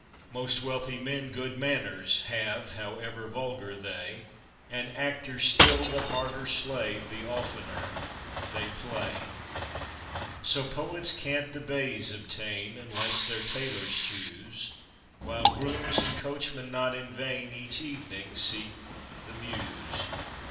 Most wealthy men good manors have, however vulgar they; And actors still the harder slave the oftener they play. So poets can't the baize obtain, unless their tailors choose; While grooms and coachmen not in vain each evening seek the Mews.